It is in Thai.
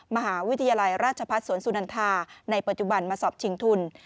มหาวิทยาลัยราชพัฒน์สวนสุนันทาในปัจจุบันมาสอบชิงทุน